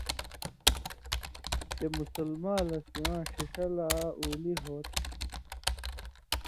چےۡ مُسلما لہ سِواں ݜِݜہ لا اُولی ہُو تھہ۔